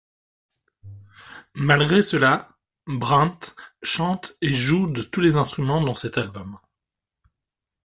Malgré cela, Brant chante et joue de tous les instruments dans cet album.